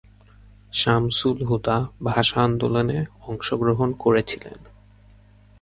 শামসুল হুদা ভাষা আন্দোলনে অংশগ্রহণ করেছিলেন।